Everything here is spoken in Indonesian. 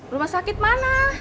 rumah sakit mana